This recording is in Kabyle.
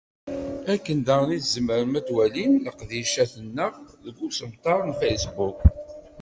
Akken daɣen i zemren ad walin leqdicat-nneɣ deg usebtar n facebook.